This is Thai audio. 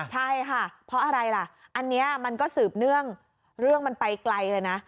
ใช่ค่ะเพราะอะไรล่ะอันนี้มันก็สืบเนื่องเรื่องมันไปไกลเลยนะ